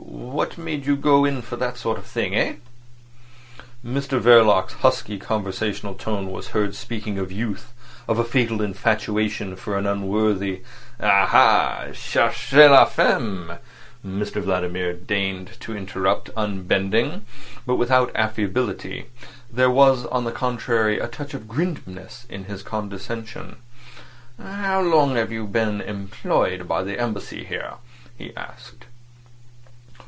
What made you go in for that sort of thing—eh?" Mr Verloc's husky conversational voice was heard speaking of youth, of a fatal infatuation for an unworthy— "Aha! Cherchez la femme," Mr Vladimir deigned to interrupt, unbending, but without affability; there was, on the contrary, a touch of grimness in his condescension. "How long have you been employed by the Embassy here?" he asked.